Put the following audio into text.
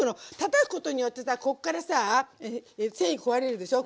たたくことによってさこっからさあ繊維壊れるでしょ。